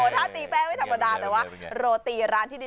ถ้าตีแป้งไม่ธรรมดาแต่ว่าโรตีร้านที่ดี